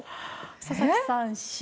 佐々木さん、Ｃ。